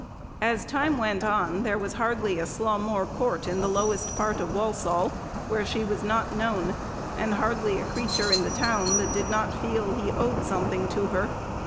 As time went on there was hardly a slum or court in the lowest part of Walsall where she was not known, and hardly a creature in the town that did not feel he owed something to her.